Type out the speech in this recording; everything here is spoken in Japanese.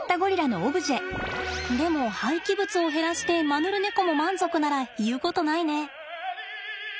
でも廃棄物を減らしてマヌルネコも満足ならいうことないね。